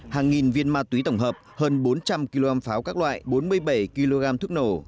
hàng nghìn viên ma túy tổng hợp hơn bốn trăm linh kg pháo các loại bốn mươi bảy kg thuốc nổ